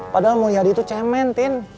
padahal mulyadi itu cemen tintin